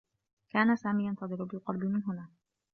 كان سامي ينتظر بالقرب من هناك.